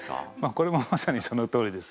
これもまさにそのとおりですね。